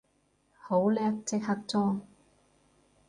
好叻，即刻裝